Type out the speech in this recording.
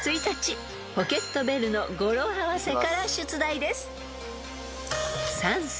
［ポケットベルの語呂合わせから出題です］